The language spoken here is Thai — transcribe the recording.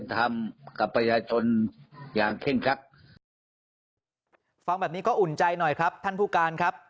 ฟังแบบนี้ก็อุ่นใจหน่อยครับท่านผู้การครับ